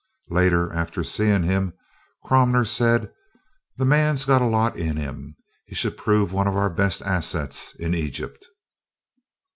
Later, after seeing him, Cromer said: "That man's got a lot in him. He should prove one of our best assets in Egypt."